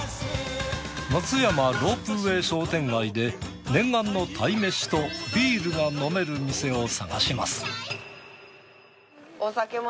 松山ロープウェー商店街で念願の鯛めしとビールが飲める店を探します。